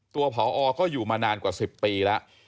ผอก็อยู่มานานกว่า๑๐ปีแล้ว